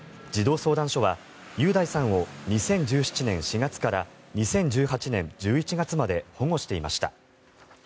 児童相談所は雄大さんを２０１７年４月から２０１８年１１月まで保護していました。